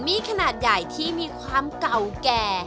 มีขนาดใหญ่ที่มีความเก่าแก่